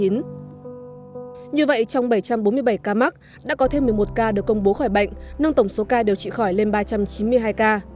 như vậy trong bảy trăm bốn mươi bảy ca mắc đã có thêm một mươi một ca được công bố khỏi bệnh nâng tổng số ca điều trị khỏi lên ba trăm chín mươi hai ca